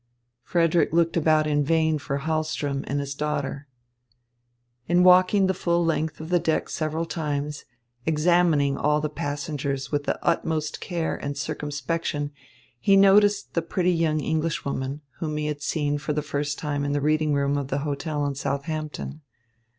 Frederick looked about in vain for Hahlström and his daughter. In walking the full length of the deck several times, examining all the passengers with the utmost care and circumspection, he noticed the pretty young Englishwoman, whom he had seen for the first time in the reading room of the hotel in Southampton.